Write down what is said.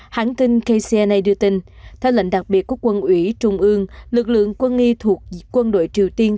hãng tin kcna đưa tin theo lệnh đặc biệt của quân ủy trung ương lực lượng quân y thuộc quân đội triều tiên